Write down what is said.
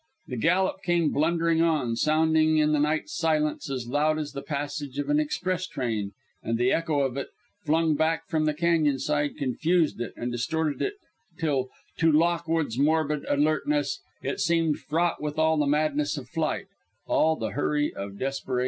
The gallop came blundering on, sounding in the night's silence as loud as the passage of an express train; and the echo of it, flung back from the cañon side, confused it and distorted it till, to Lockwood's morbid alertness, it seemed fraught with all the madness of flight, all the hurry of desperation.